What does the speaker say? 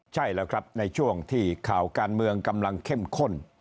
ใช่แล้วครับในช่วงที่ข่าวการเมืองกำลังเข้มข้น